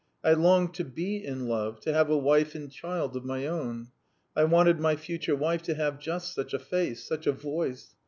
I longed to be in love, to have a wife and child of my own. I wanted my future wife to have just such a face, such a voice.